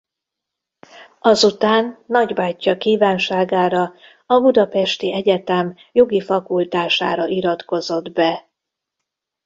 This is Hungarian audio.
Azután nagybátyja kívánságára a budapesti egyetem jogi fakultására iratkozott be.